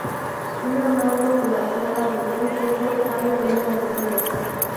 Una mano plateada de tres dedos sale de una de ellas.